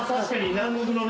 南国のね。